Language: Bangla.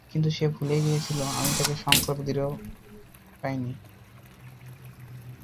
কিন্তু সে ভুলে গিয়েছিল, আমি তাকে সংকল্পে দৃঢ় পাইনি।